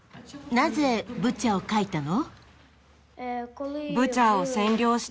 なぜブチャを描いたの？